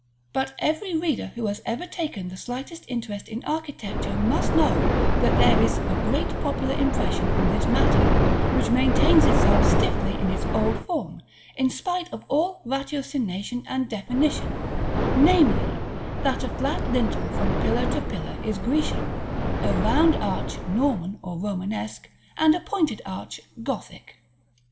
But every reader who has ever taken the slightest interest in architecture must know that there is a great popular impression on this matter, which maintains itself stiffly in its old form, in spite of all ratiocination and definition; namely, that a flat lintel from pillar to pillar is Grecian, a round arch Norman or Romanesque, and a pointed arch Gothic.